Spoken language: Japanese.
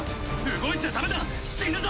動いちゃダメだ死ぬぞ！